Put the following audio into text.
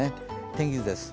天気図です。